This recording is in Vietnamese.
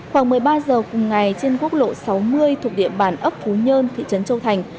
khoảng một mươi ba giờ cùng ngày trên quốc lộ sáu mươi thuộc địa bàn ấp phú nhơn thị trấn châu thành